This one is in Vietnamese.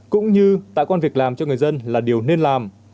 cũng như tạo quan việc làm cho người dân là điều nên làm